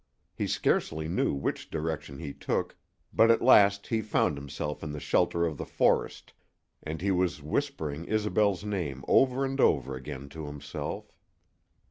He scarcely knew which direction he took, but at last he found himself in the shelter of the forest, and he was whispering Isobel's name over and over again to himself.